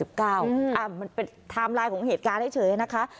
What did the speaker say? มันเป็นไทม์ไลน์ของเหตุการณ์เฉยนะคะ